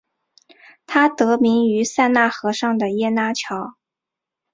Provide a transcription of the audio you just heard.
它得名于塞纳河上的耶拿桥。